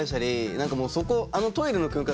なんかもうそこ。